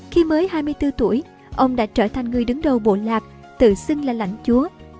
khi mới hai mươi bốn tuổi ông đã trở thành người đứng đầu bộ lạc tự xưng là lãnh chúa